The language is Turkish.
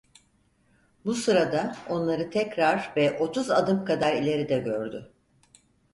Bu sırada, onları tekrar ve otuz adım kadar ileride gördü.